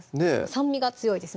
酸味が強いです